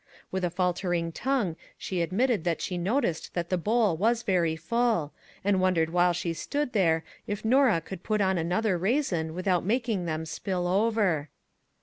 With a faltering tongue she admitted that she noticed that the bowl was very full, and wondered while she stood there if Norah could put on another raisin without making them spill over.